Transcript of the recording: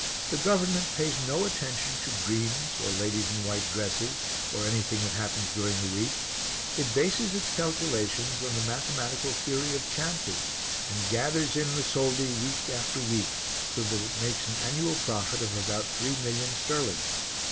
The government pays no attention to dreams or ladies in white dresses or anything that happens during the week; it bases its calculations on the mathematical theory of chances, and gathers in the soldi week after week, so that it makes an annual profit of about three million sterling.